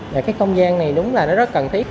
về cái không gian này đúng là nó rất cần thiết